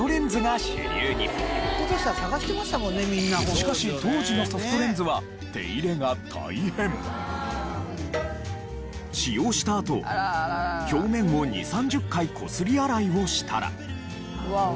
しかし当時のソフトレンズは使用したあと表面を２０３０回こすり洗いをしたら。